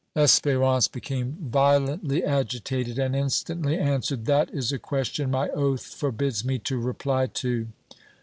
Espérance became violently agitated and instantly answered: "That is a question my oath forbids me to reply to!"